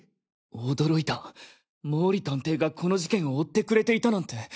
驚いた毛利探偵がこの事件を追ってくれていたなんて。